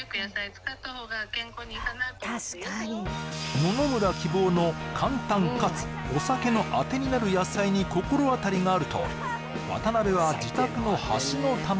確かに野々村希望の簡単かつお酒のあてになる野菜に心当たりがあると渡辺は何だ